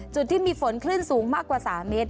จุดที่มีฝนคลื่นสูงมากกว่า๓เมตร